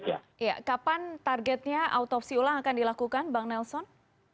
iya kapan targetnya autopsi ulang akan dilakukan bang nelson